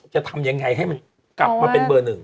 จะทำยังไงให้มันกลับมาเป็นเบอร์หนึ่ง